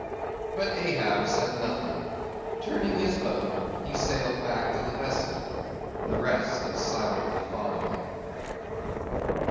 But Ahab said nothing; turning his boat, he sailed back to the vessel; the rest as silently following.